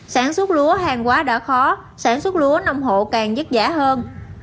sản xuất lúa hàng quá đã khó sản xuất lúa nông hộ càng dứt dã hơn